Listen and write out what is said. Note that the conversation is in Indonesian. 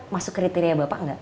masuk kriteria bapak nggak